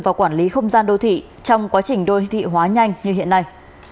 và quản lý không gian đô thị trong quá trình đô thị hóa nhanh như hiện nay